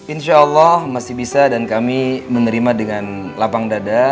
insya allah masih bisa dan kami menerima dengan lapang dada